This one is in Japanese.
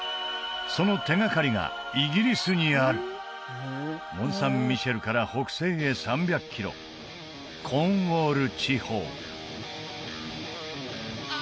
その手がかりがイギリスにあるモン・サン・ミシェルから北西へ３００キロコーンウォール